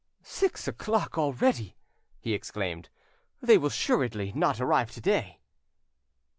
"Six o'clock already!" he exclaimed. "They will assuredly not arrive to day."